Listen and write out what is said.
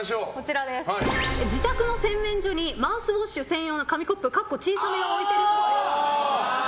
自宅の洗面所にマウスウォッシュ専用の紙コップを置いてるっぽい。